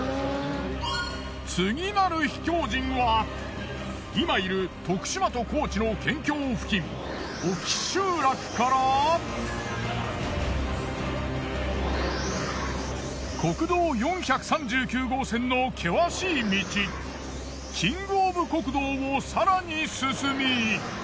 次なる秘境人は今いる徳島と高知の県境付近沖集落から国道４３９号線の険しい道キングオブ酷道を更に進み。